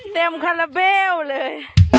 แบ่งคาราเบลเลย